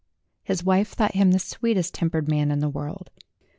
His wife thought him the sweetest tempered man in the world.